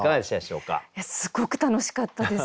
すごく楽しかったです。